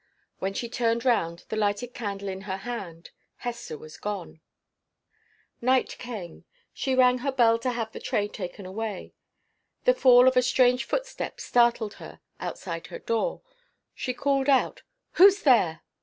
When she turned round with the lighted candle in her hand, Hester was gone. Night came. She rang her bell to have the tray taken away. The fall of a strange footstep startled her outside her door. She called out, "Who's there?"